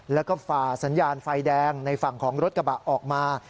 แล้วก็ฝ่าสัญญาณไฟแดงในฝั่งของรถกระบะออกมา